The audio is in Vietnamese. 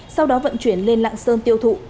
sau đó vận chuyển lên lạng sơn tiêu thụ